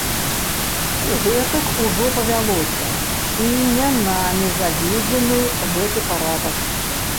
Гэтак ужо павялося, і не намі заведзены гэты парадак.